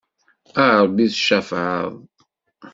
A Rebbi tcafεeḍ!